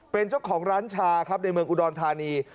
เป็นเจ้าของร้านชาครับในเมืองอุดรธานี